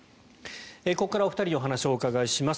ここからお二人にお話をお伺いします。